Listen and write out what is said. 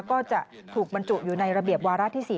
ก็จะถูกบรรจุอยู่ในระเบียบวาระที่๔